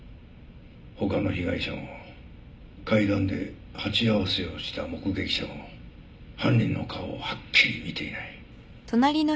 他の被害者も階段で鉢合わせをした目撃者も犯人の顔をはっきり見ていない。